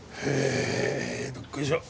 どっこいしょ。